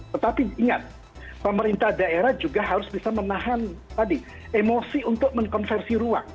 tetapi ingat pemerintah daerah juga harus bisa menahan tadi emosi untuk mengkonversi ruang